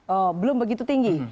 oh belum begitu tinggi